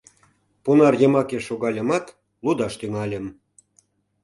Понар йымаке шогальымат, лудаш тӱҥальым.